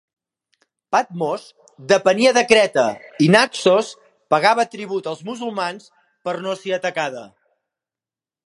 Patmos depenia de Creta i Naxos pagava tribut als musulmans per no ser atacada.